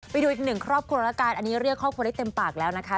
ไปดูอีกหนึ่งครอบครัวแล้วกันอันนี้เรียกครอบครัวได้เต็มปากแล้วนะคะ